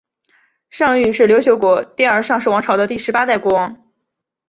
尚育是琉球国第二尚氏王朝的第十八代国王。